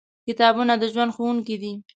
کتابونه د ژوند ښوونکي دي.